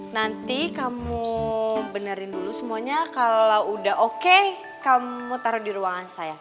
nanti kamu benerin dulu semuanya kalau udah oke kamu taruh di ruangan saya